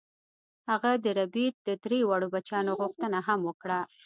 هغه د ربیټ د درې واړو بچیانو غوښتنه هم وکړه